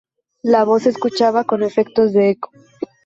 La voz se escuchaba con efectos de eco.